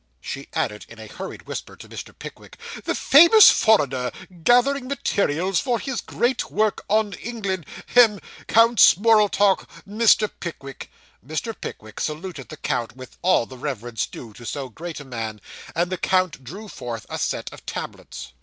She added in a hurried whisper to Mr. Pickwick 'The famous foreigner gathering materials for his great work on England hem! Count Smorltork, Mr. Pickwick.' Mr. Pickwick saluted the count with all the reverence due to so great a man, and the count drew forth a set of tablets.